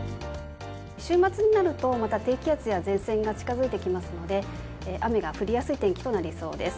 週末になると低気圧や前線が近づいてきますので雨が降りやすい天気となりそうです。